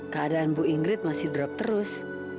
keadaan bu ingrid masih drop terus